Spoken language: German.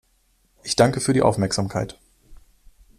Ich danke für die Aufmerksamkeit!